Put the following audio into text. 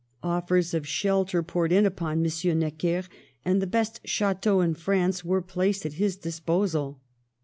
Offers of shelter poured in upon M. Necker, and the best chateaux in France were placed at his disposal.